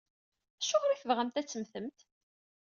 Acuɣer i tebɣamt ad temmtemt?